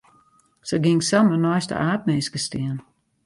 Se gyng samar neist de aapminske stean.